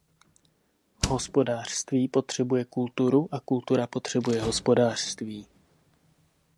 Hospodářství potřebuje kulturu a kultura potřebuje hospodářství.